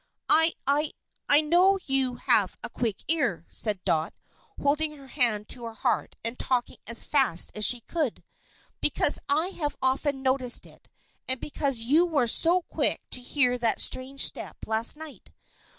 "I I I know you have a quick ear," said Dot, holding her hand to her heart and talking as fast as she could, "because I have often noticed it, and because you were so quick to hear that strange step last night.